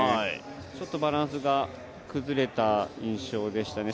ちょっとバランスが崩れた印象でしたね。